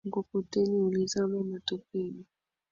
Mkokoteni ulizama matopeni